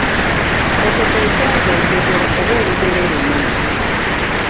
Okwo kwe kwava enjogera oba olugero luno.